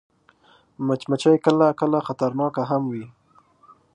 مچمچۍ کله کله خطرناکه هم وي